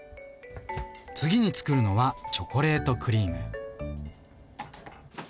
次につくるのはチョコレートクリーム。